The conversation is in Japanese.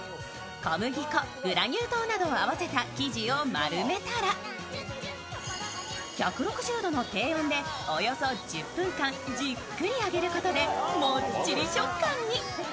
小麦粉、グラニュー糖などを合わせた生地を丸めたら１６０度の低温でおよそ１０分間じっくり揚げることでもっちり食感に。